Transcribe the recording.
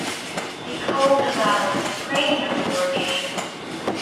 They co-developed the "Cranium" board game.